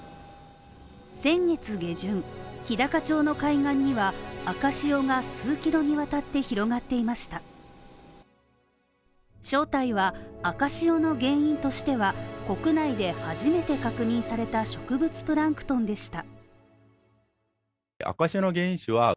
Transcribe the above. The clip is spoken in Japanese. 先月下旬、日高町の海岸には、赤潮が数キロにわたって広がっていました正体は赤潮の原因としては国内で初めて確認された植物プランクトンでした。